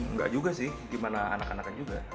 nggak juga sih gimana anak anaknya juga